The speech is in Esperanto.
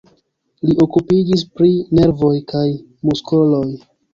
Li okupiĝis pri nervoj kaj muskoloj.